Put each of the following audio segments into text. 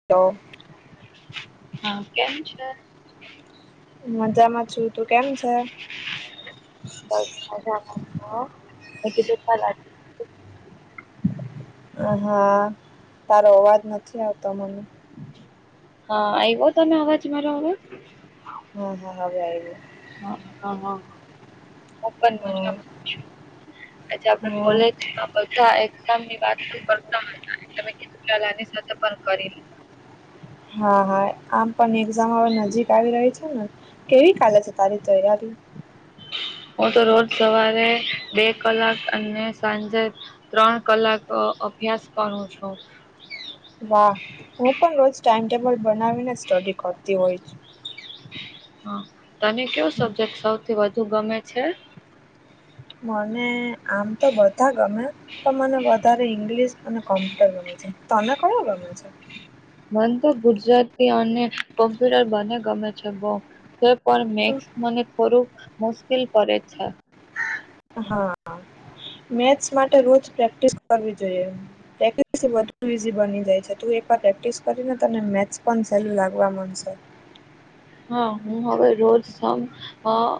[unintelligible] હા કેમ છે? મજામાં છું. તું કેમ છે? બસ મજામાં [unintelligible] હા. તારો અવાજ નથી આવતો મને. હા આયવો તને અવાજ મારો હવે? હમ્મ-હમ્મ હવે આયવો. હા, હા, હા. હું પણ હા મજા છું. આજે આપણે હા કોલેજ એમાં એક્ઝામ ની વાતો કરતા હતો. એટલે મે કીધું આની સાથે પણ કરી. હા, હા. આમ પણ એક્ઝામ હવે નજીક આવી રહી છે ને. કેવી ચાલેે છે તારી તૈયારી? હું તો રોજ સવારે બે કલાક અને સાંજે ત્રણ કલાક અભ્યાસ કરું છું. વાહ! હું પણ રોજ ટાઈમટેબલ બનાવીને સ્ટડી કરતી હોય છ. હા. તને ક્યો છું. સબ્જેક્ટ સૌથી વધુ ગમે છે? મને આમ તો બધા ગમે, પણ મને વધારે ઇંગ્લિશ અને કોમ્પ્યુટર ગમે છે. તને કયો ગમે છે? મને તો ગુજરાતી અને કોમ્પ્યુટર બને ગમે છે બહું. તે પણ મેક્સ મને થોડુંક મુશ્કિલ પડે છે. હા. મેથસ માટે રોજ પ્રેક્ટિસ કરવી જોઈએ. [unintelligible] ઈઝી બની જાય છે, તું એકવાર પ્રેક્ટિસ કરી લે તને મેથસ પણ સહેલું લાગવા મંડશે. હા હું હવે રોજ સમ અહ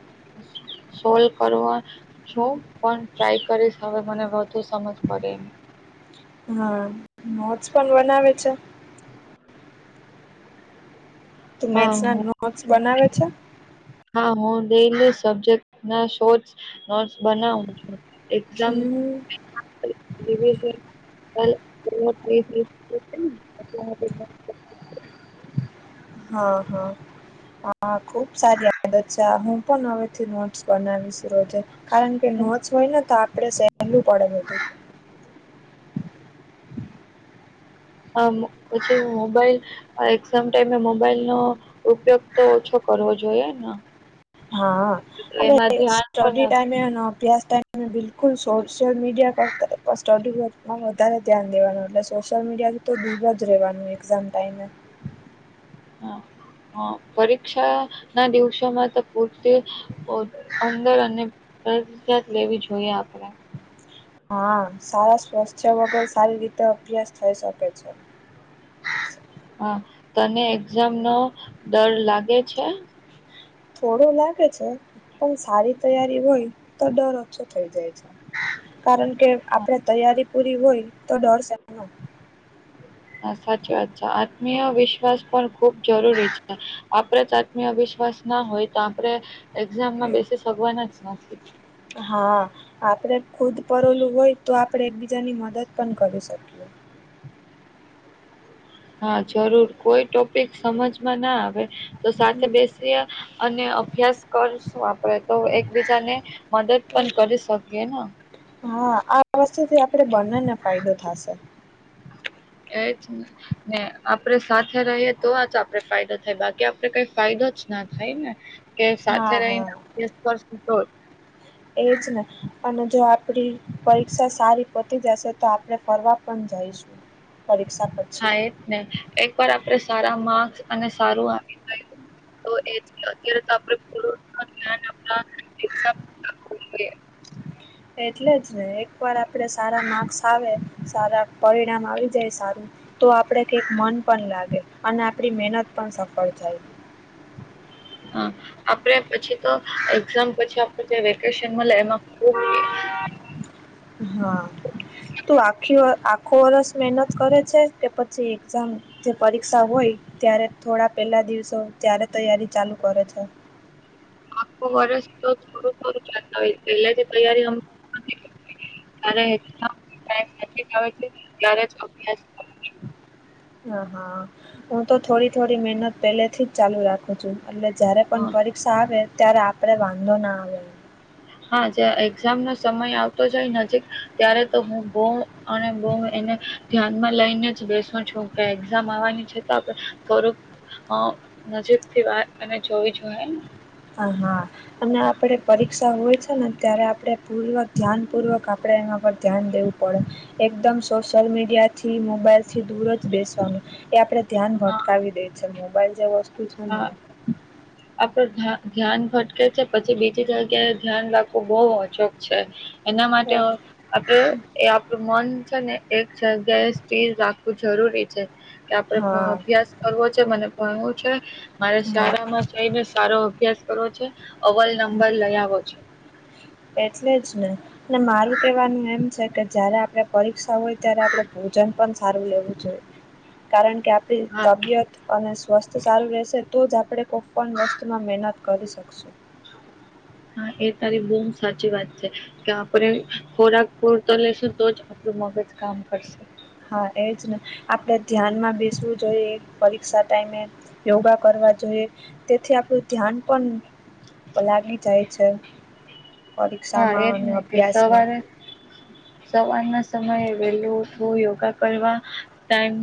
સોલ્વ કરવાં છું, પણ ટ્રાય કરીશ હવે મને વધુ સમજ પડે એમ. હા. નોટ્સ પણ બનાવે છે? તું હા મેથ્સ ના હું નોટસ બનાવે છે? હા હું ડેઈલી સબ્જેક્ટ ના શોર્ટ નોટ્સ બનાવું છું. એક્ઝામ હમ્મ, [inaudible] હા, હા આ ખુબ સારી આદત છે, હું પણ હવેથી નોટ્સ બનાવીશ રોજે, કારણ કે નોટ્સ હોય ને તો આપડે સહેલું પડે બધું. આમ પછી મોબાઈલ આ એક્ઝામ ટાઈમે મોબાઈલ નો ઉપયોગ તો ઓછો કરવો જોઈએ ના. હા. આપણે પણ સ્ટડી ટાઈમે અને અભ્યાસ ટાઈમ અને બિલકુલ સોશિયલ મીડિયા કરતા સ્ટડીમાં વધારે ધ્યાન દેવાનું, એટલે સોશિયલ મીડિયા તો દૂર જ રહેવાનું એક્ઝામ ટાઈમે. હા. હા. પરીક્ષા ના દિવસોમાં તો પૂરતી [unintelligible] લેવી જોઈએ આપણે. હા. સારા સ્વાસ્થ્ય વગર સારી રીતે અભ્યાસ થઈ શકે છે. હા તને એક્ઝામ નો ડર લાગે છે થોડું લાગે છે પણ સારી તૈયારી હોય તો ડર ઓછો થઈ જાય છે કારણ કે આપડે તૈયારી પૂરી હોય તો ડર શ હા સાચી વાત છે આત્મીય વિશ્વાસ પણ ખુબ જરૂરી છે આપણે જ આત્મી અવિશ્વાસ ના હોય તો આપણે એક્ઝામમાં બેસી સગવાના જ નથી હા આપડે ખુદ પરલું હોય તો આપડણે એકબીજાની મદદ પણ કરી શકીએ હા જરૂર કોઈ ટોપિક સમજમાં ના આવે તો સાથે બેસી અને અભ્યાસ કરશું આપડે તો એકબીજાને મદદ પણ કરી શકીએ હા આ વસ્તુથી આપણે બંનેને ફાયદો થશે એજ ને આપડે સાથે રહીએ તો આ તો આપડ ફાયદો થાય બાકી આપડે કઈ ફાયદો જ ના થાય ને કે સાથે હા હા રહીનેું તો એ જ ને અને જો આપડી પરીક્ષા સારી પોતી જશે તો આપણે ફરવા પણ જઈશું પરીક્ષા પ હા એજ ને એક વાર આપણે સારા માર્ક્સ અને સારું તો એ અત્યારે તો આપડ પૂરું ધ આપઈ એટલે જ ને એકવાર આપડે સારા માર્ક્સ આવે સારા પરિણામ આવી જાય સારું તો આપડે કઈક મન પણ લાગે અને આપડી મહેનત પણ સફળ થાય હા. આપડે પછી તો એક્ઝામ પછી આપ વેકેશન મળે એમાંબ હા. તું આખી આખો વર્ષ મહેનત કરે છે કે પછી એક્ઝામ જે પરીક્ષા હોય ત્યારે થોડા પેલા દિવસો ત્યારે તૈયારી ચાલુ કરે છે. આખો વર્ષ તો થોડું થોડું જતા હોય પેલા જે તૈયારીમ ત્યારે અભ્યાસ હા હા હું તો થોડી થોડી મહેનત પેલે થી જ ચાલુ રાખું છું એટલે જયારે પણ હા પ આવે ત્યારે આપણે વાંધો ના આવે હા એક્ઝામ નો સમય આવતો જાય નજીક ત્યારે તો હું બઉ અને બહ એને ધ્યાનમાં લઈને જ બેસું છું કે એક્ઝામ આવવાની છે તો આપણે થોડુંક હા નજીક થી વાત અને જોવી જોઈએ ને હ હા. અને આપડે પરીક્ષા હોય છે ને ત્યારે આપે પૂર્વક ધ્યાન પૂર્વક આપણે એમાં ધ્યાન દેવું પડે. એકદમ સોશિયલ મીડિયા થી મોબાઈલથી દૂર જ બેસવાનું એ આપણે ધ્યાન હા ભટકાવી દે છે મોબાઈલ જે વસ્તુ છે ને હા. આપડે ધ્યાન ભટકે છે પછી બીજી જગ્યા એ ધ્યાન રાખવું બહુ ઓછોક છે. એના માટે એ. આપડ એ આપણું મન છે ને એક જગ્યાએીર રાખવું જરૂરી છે કે આપડ હા અભ્યાસ કરવો છે મને ભણવું છે મારે હા સારામાં જઈને સારો અભ્યાસ કરવો છે. અવલ નંબર લઈ આવો છે. એટલે જ નહી ને મારું કહેવાનું એમ છે કે જ્યારે આપણે પરીક્ષા હોય ત્યારે આપડે ભોજન પણ સારું લેવું જોઈ કારણ કે આપ હા તબિયત અને સ્વસ્થ સારું રહેશે તો જ આપણે કોઈ પણ વસ્તુમાં મહેનત કરી. શસો [unintelligible] હા એ તારી બહુ સાચી વાત છે કે આપે ખોરાક પુર તો લેશું તો જ આપણું મગજ કામ કરશે હા એજ ને આપણેે ધ્યાનમાં બેસવું જોઈએ પરીક્ષા ટાઈમે યોગા કરવા જોઈએ તેથી આપડું ધ્યાન પણ લાગી જાય છે પરીક્ષામાં અને અભ્યાસમાં. સવાર ના સમયે વહેલું ઉઠવુ યોગા કરવા ટાઈમ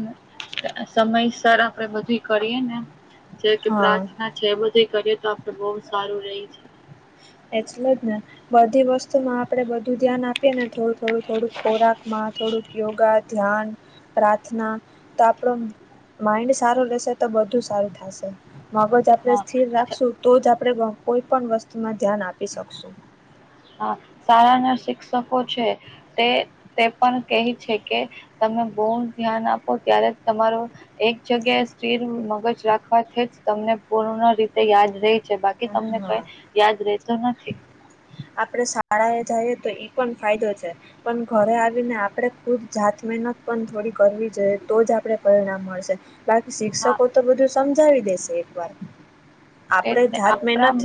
સમયસર આપડે બધું કરીએ ને જે કે હા પ્રાર્થના છે એ બધી કરીએ તો આપડે બહુ સારું રહી છે. એટલે જ ને બધી વસ્તુ માં આપડે બધું ધ્યાન આપીએ ને થોડું થોડું થોડુંક ખોરાકમાં થોડુંક યોગા ધ્યાન પ્રાર્થના તો આપણો માઈન્ડ સારો રહેશે તો બધું સારું થશે મગજ આપણે સ્થિર હા રાખશું તો જ આપણે કોઈ પણ વસ્તુમાં ધ્યાન આપી શકશું હા શળાના શિક્ષકો છે તે તે પણ કહે છે કે તમે બહુ ધ્યાન આપો ત્યારે તમારો એક જગ્યાએ સ્થિર મગજ રાખવાથી જ તમને પૂર્ણ રીતે યાદ રહી. છે બાકી તમને કઈ યાદ રેતો નથી. આપડે શાળા એ જઈએ તો ઈ પણ ફાયદો છે. પણ ઘરે આવીને આપણે ખુદ જાત મહેનત પણ થોડી કરવી જોઈએ તો જ આપણે પરિણામ મળશે બાદ હા શિક્ષકો તો બધું સમજાવી દેશે એક વાર આપડે આપ રામ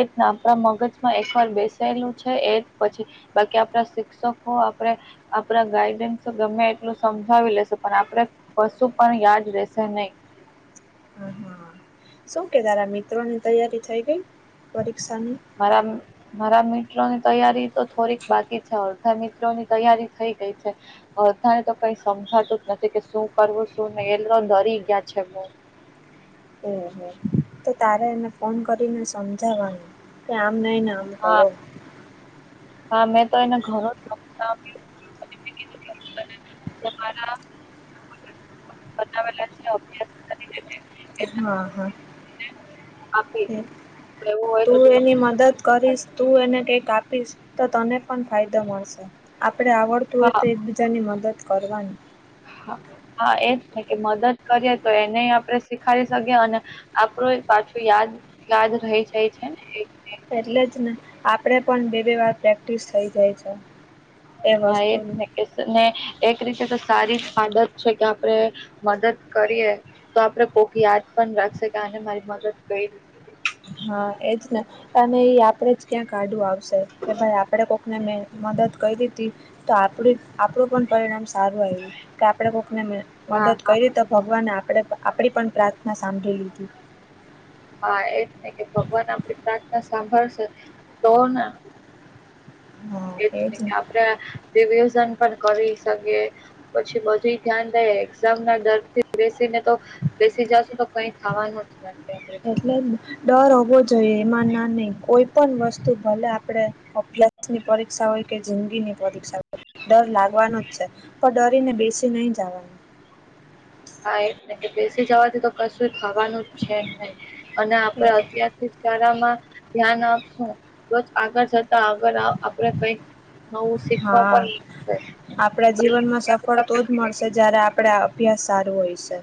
એજ ના આપણા મગજમાં એકવાર બેસેેલું છે એ પછી. બાકી આપણા શિક્ષકો આપડે આપડા ગાઈડન્સ ગમે એટલું સમજાવી લેશે પણ આપડે પશુ પણ યાદ રહેશે નહી. હ હા શું કે તારા મિત્રોની તૈયારી થઈ ગઈ પરીક્ષાની મારા મારા મિત્રોની તૈયારી તો થોડીક બાકી છે અડધા મિત્રોની તૈયારી થઇ ગઈ છે બધાને તો કઈ સમજાતું જ નથી કે શું કરવું શું નહી એ તો ડરી ગયા છે બ હું હું તો તારે એને ફોન કરીને સમજાાવવાની આમ નઈને આમ હા કરો હા મે તો એને ઘણું સમજાયું બનાવવા લાગજો હા આપીશ હા એવું હોય તો તું એની મદદ કરીશ તું એને કંઈક આપીશ તો તને પણ ફાયદો મળશે આપણે આવડ તો હોય હા તો એકબીજાની મદદ કરવાની હા એજ ને કે મદદ કરીએ તો એને આપણે શીખારી શકીએ અને આપણું પાછું યાદ યાદ રહી જાય છે ને એક એટલે જ ને આપણે પણ બે બે વાર પ્રેક્ટ પ્ર્ટિસ થઈ જાય છે એ વાસ્તુ કેને એક રીતે તો સારી જ આદત છે કે આપણે મદદ કરીએ. તો આપડે કોક યાદ પણ રાખશે કે આને મારી મદદ કરીઈ હા એજ ને અને એ આપડે જ ક્યાં કાડું આવશે કે ભાઈ આપણે કોકને મેં મદદ કરી દીધી તો આપણી આપણું પણ પરિણામ સારું આવ્યું. કે આપણે કોકને હા મદદ હા કરી તો ભગવાને આપણે આપણી પણ પ્રાર્થના સાંભળી લીધી હા એ જ નહી કે ભગવાન આપડી પ્રાર્થના સાંભળશે તોને એજ ને આપણેે રિવિઝન પણ કરી શકીએ. પછી બધું ધ્યાન દે એક્ઝામ ના દરર્થી બેસીને તો બેસી જાશું તો કઈ થવાનું જ નથી આપણે એટલે ડર હોવો જોઈએ એમાં ના નહી કોઈ પણ વસ્તુ ભલે આપણે અભ્યાસની પરીક્ષા હોય કે જિંદગી ની પરીક્ષા હો ડર લાગવાનો જ છે પણ ડરીને બેસી નહી જવાનો ક કે બેસી જવાથી તો કશું થવાનું જ છે નહી અને એ આપડ અત્યારથી [unintelligible] ધ્યાન આપશું [unintelligible] આગળ જતા આગળ આપણે કઈક નવું શીખવા હા પણ મળશે. આપણા જીવનમાં સફળ તો જ આપણે મળશે જ્યારે આપણે અભ્યાસ સારું હોય છે.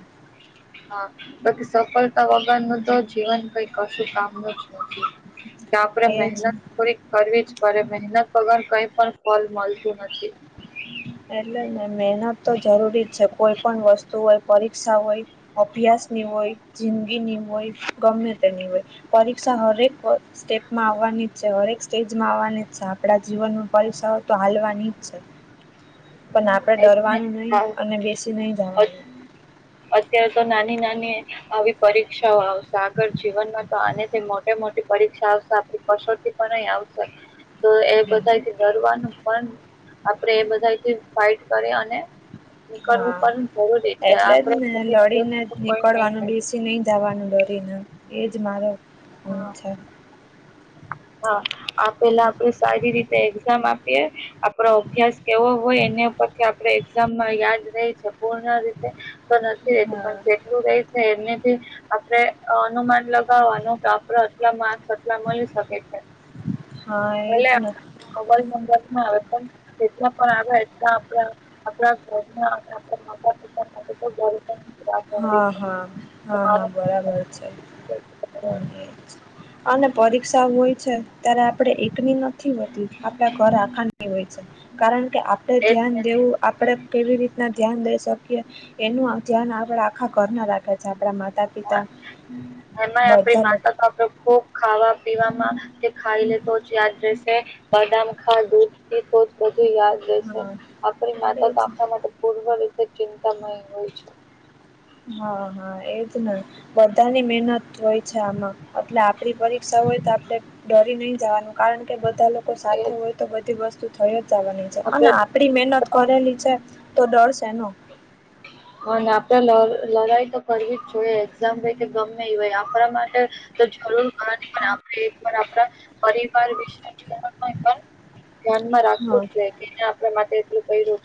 હા બાકી સફળતા વગર નું તો જીવન કઈ કશું કામનું જ નથી. કે આપડે એ જ મહેનત થોરી કરવી જ પડે મહેનત વગર કઈ પણ ફલ મળતું નથી. એટલે ને મહેનત તો જરૂરી જ છે કોઈ પણ વસ્તુ હોય પરીક્ષા હોય અભ્યાસ ની હોય જિંદગી ની હોય ગમે તેની હોય પરીક્ષા હરેક સ્ટેપમાં આવવાની જ છે હરેક સ્ટેજમાં આવવાની જ છે આપણા જીવનમાં પરીક્ષાઓ તો હાલવાની જ છે. પણ આપડે એજ ને ડરવાનું નય અને હા નહી જવાનું અત્યારે તો નાની નાની આવી પરીક્ષાઓ આવશે આગળ જીવનમાં તો આનેથી મોટે મોટી પરીક્ષા આવશે આપણી કસોટી પણએ આવશે તો એ બધા થી ડરવાનું પણ આપડે એ બધાથી ફાઈટ કરી અને નીકરવું હા પણ જરૂરી છે [unintelligible] એટલે જ ને લડીને જ નીકળવાનું બેસી નહી જવાનું ડરીને એ જ મારો હા [unintelligible] હા આપેલા આપડે સારી રીતે એક્ઝામ આપીએ. આપડો અભ્યાસ કેવો હોય એના પછી આપડે એક્ઝામમાં યાદ રહી છે પૂર્ણ રીતે તો નથી રેતું પણ હા જેટલું રેય છે એમનેથી આપડે અનુમાન લગાવવાનું કે આપડે આટલા માર્કસ આટલા મળી શકે છે. હા એજ ભલે ને [unintelligible] આવે પણ એટલા પણ આવે એટલા આપડે આપણા ઘરના માતા પિતા માટે ની વાત હોય હા હા હા હા બરાબર છે. અને પરીક્ષા હોય છે ત્યારે આપડે એકની નથી હોતી આપણા ઘર આખાની હોય છે. કારણ કે આપડે ધ્યાન છે. દેવું આપડે કેવી રીતના ધ્યાન દઈ શકીએ. એનું ધ્યાન આપડા આખા ઘરના રાખે છે આપણા માતા પિતા એમાંય આપડી બધા લોકો માતા તો આપડે ખુબ ખાવા પીવામાં ખાઈ લે તો જ યાદ રહેશે બદામ ખા દૂધ પી તો જ બધું યાદ રેસે હા આપરી માતા એ તો જ આપણા માટે પૂર્વ રીતે ચિંતામય હોય છે. હા હા એજ ને બધાની મહેનત હોય છે આમાં એટલે આપણી પરીક્ષા હોય તો આપણે ડરી નહી જવાનું કારણ કે બધા લોકો એ સાથે હોય તો બધી વસ્તુ થય જ આવવાની છે અને આપણે આપડી મહેનત કરેલી છે તો ડર શેનો [inaudible] હ ને આપડે લર લડાઈ તો કરવી જ જોઈએ એક્ઝામ રેય કે ગમે એ હોય આપણા માટે તો જરૂર કરવાની પણ આપણે એકવાર આપણા પરિવાર વિશે જીવનમાં એક વાર મનમાં રા હા [unintelligible] કે એને આપડે માટે એટલું કયરુ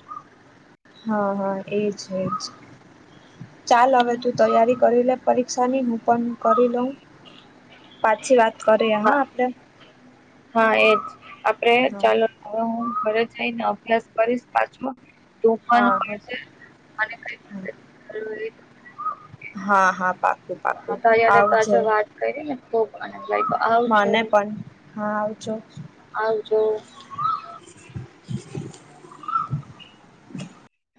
હા હા એજ એજ ચાલ હવે તું તૈયારી કરી લે પરરીક્ષાની હું પન કરી લઉં પાછી વાત કરીએ હા આપણે હા એજ આપડે હા ચાલો હવે હું ઘરે જઈને અભ્યાસ કરીશ પાછો તું પણ હા કરજે અને હા [unintelligible] હા હા પાક્કું હા પાક્કું તારી હારે તો આવજે આજે વાત કરીને ખુબ આનંદ લાગ્યો આવજો મને પણ હા આવજો. આવજો.